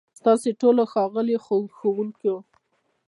ستاسو ټولو، ښاغليو ښوونکو،